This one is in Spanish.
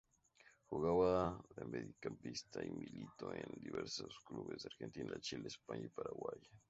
Jugaba de mediocampista y militó en diversos clubes de Argentina, Chile, España y Paraguay.